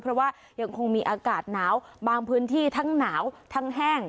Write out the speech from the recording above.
เพราะว่ายังคงมีอากาศหนาวบางพื้นที่ทั้งหนาวทั้งแห้ง